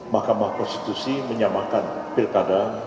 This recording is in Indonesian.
mahkamah konstitusi menyamakan pilkada